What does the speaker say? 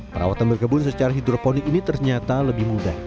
perawatan berkebun secara hidroponik ini ternyata lebih mudah